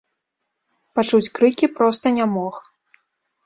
Пачуць крыкі проста не мог.